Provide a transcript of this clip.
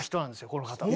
この方は。